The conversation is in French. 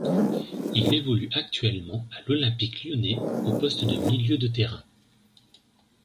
Il évolue actuellement à l'Olympique lyonnais au poste de milieu de terrain.